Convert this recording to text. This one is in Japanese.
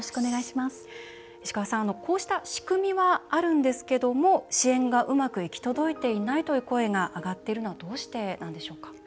こうした仕組みはあるんですけれども支援がうまく行き届いていないという声が上がっているのはどうしてなんでしょうか？